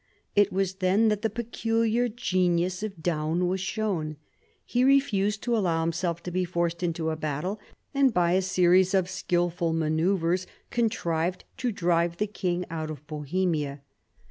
It was then that the peculiar genius of Daun was shown. He refused to allow himself to be forced into a battle, and by a series of skilful manoeuvres contrived to drive the king out of Bohemia.